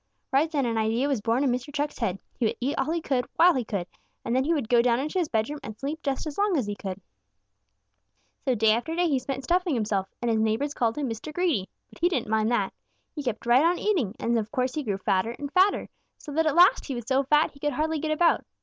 Right then an idea was born in Mr. Chuck's head. He would eat all he could while he could, and then he would go down into his bedroom and sleep just as long as he could! "So day after day he spent stuffing himself, and his neighbors called him Mr. Greedy. But he didn't mind that. He kept right on eating, and of course he grew fatter and fatter, so that at last he was so fat he could hardly get about.